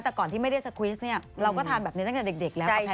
แต่ก่อนที่ไม่ได้จุ๊กน้ำใส่เราก็ทานแบบนี้ตั้งแต่เด็กแล้วกับแพนเค้ก